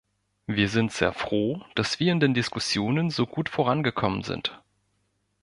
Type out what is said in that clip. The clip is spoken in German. Wir sind sehr froh, dass wir in den Diskussionen so gut vorangekommen sind.